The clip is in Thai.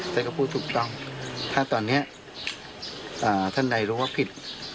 แต่ก็พูดถูกต้องถ้าตอนนี้ท่านใดรู้ว่าผิด